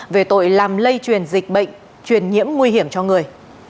về tội làm lây truyền dịch bệnh truyền nhiễm nguy hiểm cho người